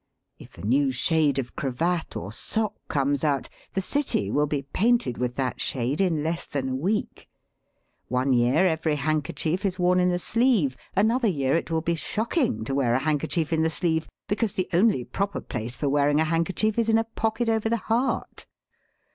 If a new shade of cravat or sock comes out, the city will be painted with that shade in less than a week. One year every hand kerchief is worn in the sleeve. Another year it will, be shocking to wear a handkerchief in the sleeve, because the only proper place for wearing a handkerchief is in a pocket over the heart.